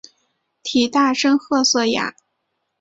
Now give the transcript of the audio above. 体大深褐色鸭。